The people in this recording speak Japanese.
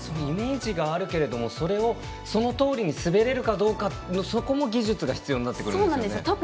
イメージがあるけれどもそれをそのとおりに滑れるかどうかの、そこも技術が必要になってきますね。